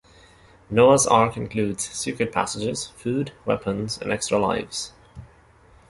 "Noah's Ark" includes secret passages, food, weapons and extra lives.